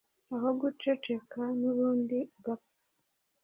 aho guceceka n’ubundi ugapfa